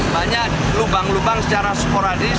banyak lubang lubang secara sporadis